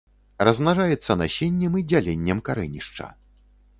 Размнажаецца насеннем і дзяленнем карэнішча.